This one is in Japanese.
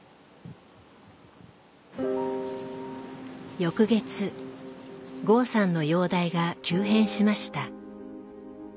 翌月剛さんの容体が急変しました。